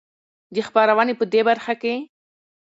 دې خپرونې په د برخه کې